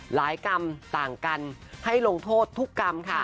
กรรมต่างกันให้ลงโทษทุกกรรมค่ะ